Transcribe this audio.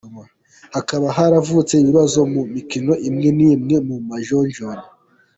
Hakaba haravutse ibibazo mu mikino imwe n’imwe mu majonjora.